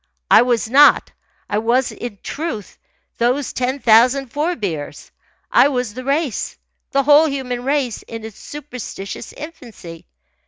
I was not I. I was, in truth, those ten thousand forebears. I was the race, the whole human race, in its superstitious infancy.